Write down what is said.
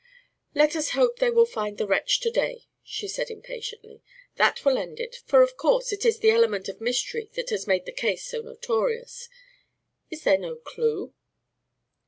"Let us hope they will find the wretch to day," she said impatiently. "That will end it, for, of course, it is the element of mystery that has made the case so notorious. Is there no clue?"